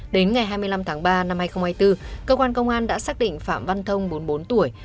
đến ngày hai mươi năm tháng ba năm hai nghìn hai mươi bốn cơ quan công an đã xác định phạm văn thông bốn mươi bốn tuổi